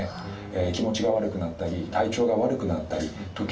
気持ちが悪くなったり体調が悪くなったり時にはですね